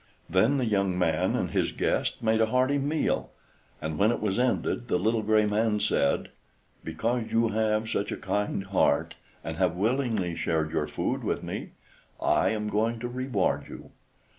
Then the young man and his guest made a hearty meal, and when it was ended the little gray man said: "Because you have such a kind heart, and have willingly shared your food with me, I am going to reward you.